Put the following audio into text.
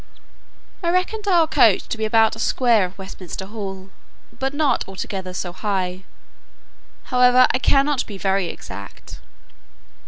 I reckoned our coach to be about a square of Westminster hall, but not altogether so high: however, I cannot be very exact.